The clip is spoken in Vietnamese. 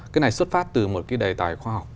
cái này xuất phát từ một cái đề tài khoa học